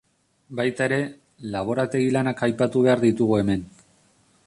Baita ere, laborategi lanak aipatu behar ditugu hemen.